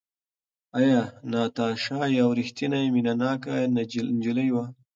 ایا ناتاشا یوه ریښتینې مینه ناکه نجلۍ وه؟